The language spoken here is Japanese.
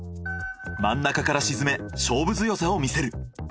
真ん中から沈め勝負強さを見せる。